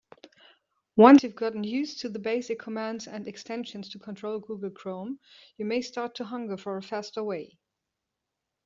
Once you've gotten used to the basic commands and extensions to control Google Chrome, you may start to hunger for a faster way.